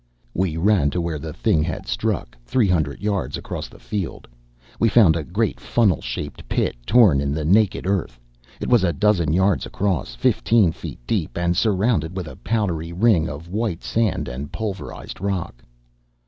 We ran to where the thing had struck, three hundred yards across the field. We found a great funnel shaped pit torn in the naked earth. It was a dozen yards across, fifteen feet deep, and surrounded with a powdery ring of white sand and pulverized rock.